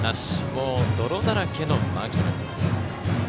もう泥だらけの牧野。